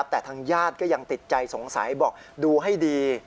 แต่ทางญาติก็ยังติดใจสงสัยบอกดูให้ดี